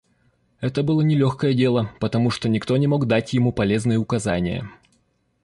Это было нелегкое дело, потому что никто не мог дать ему полезные указания.